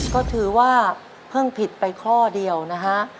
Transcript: ก็ถือว่าเพิ่งผิดไปข้อเดียวนะฮะ